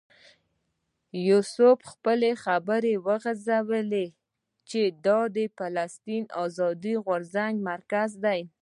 یوسف خپلې خبرې وغځولې چې دا د فلسطین د آزادۍ غورځنګ مرکز دی.